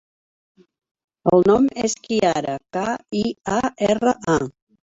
El nom és Kiara: ca, i, a, erra, a.